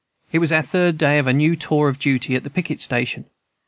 It was our third day of a new tour of duty at the picket station.